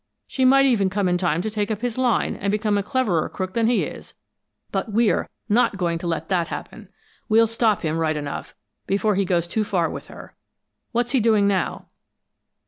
She might even come in time to take up his line, and become a cleverer crook than he is, but we're not going to let that happen. We'll stop him, right enough, before he goes too far with her. What's he doing now?"